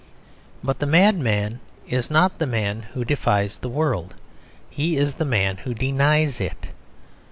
But the madman is not the man who defies the world; he is the man who denies it.